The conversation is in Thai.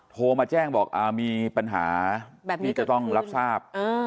โทรมาแจ้งบอกมีปัญหาแบบนี้ก็ต้องรับทราบ